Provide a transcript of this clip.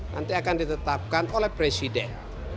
nanti akan ditetapkan oleh presiden